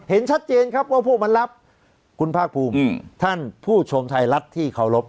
เห็นชัดเจนครับว่าพวกมันรับคุณภาคภูมิท่านผู้ชมไทยรัฐที่เคารพ